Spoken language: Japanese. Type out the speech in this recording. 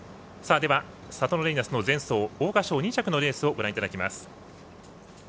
サトノレイナスの前走桜花賞２着のレースをご覧いただきます。